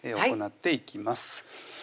行っていきます